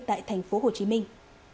tại thành phố hồ chí minh